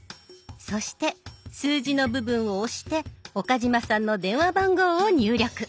そして数字の部分を押して岡嶋さんの電話番号を入力。